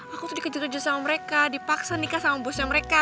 aku tuh dikejut kejut sama mereka dipaksa nikah sama bosnya mereka